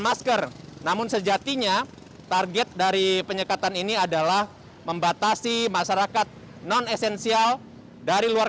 masker namun sejatinya target dari penyekatan ini adalah membatasi masyarakat non esensial dari luar